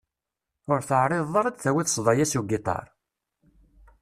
Ur teεriḍeḍ ara ad d-tawiḍ ssḍa-ya s ugiṭar?